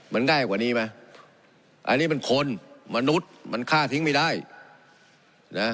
มันง่ายกว่านี้ไหมอันนี้มันคนมนุษย์มันฆ่าทิ้งไม่ได้นะ